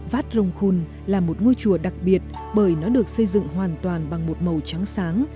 vát rồng khun là một ngôi chùa đặc biệt bởi nó được xây dựng hoàn toàn bằng một màu trắng sáng